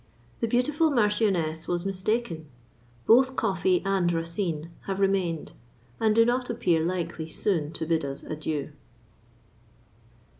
The beautiful marchioness was mistaken: both coffee and Racine have remained, and do not appear likely soon to bid us adieu.